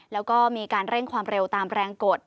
แล้วก็มีการเร่งความเร็วตามแรงกด